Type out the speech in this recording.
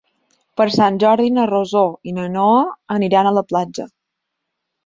Per Sant Jordi na Rosó i na Noa aniran a la platja.